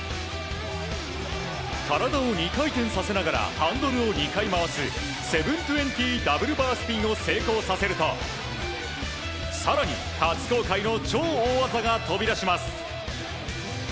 体を２回転させながらハンドルを２回回す７２０ダブルバースピンを成功させると更に、初公開の超大技が飛び出します。